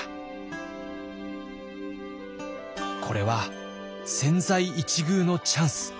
これは千載一遇のチャンス。